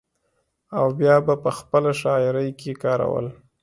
او بيا به پۀ خپله شاعرۍ کښې کارول ۔